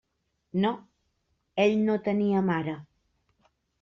No; ell no tenia mare.